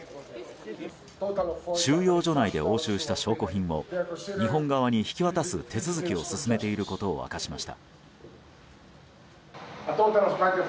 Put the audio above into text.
収容所内で押収した証拠品を日本側に引き渡す手続きを進めていることを明かしました。